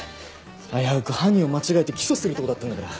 危うく犯人を間違えて起訴するところだったんだから。